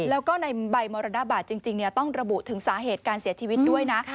แล้วก็ในใบมรณบัตรจริงต้องระบุถึงสาเหตุการเสียชีวิตด้วยนะ